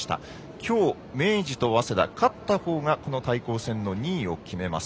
きょう、明治と早稲田勝ったほうが、この対抗戦の２位を決めます。